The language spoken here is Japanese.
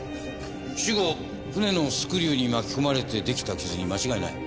死後船のスクリューに巻き込まれて出来た傷に間違いない。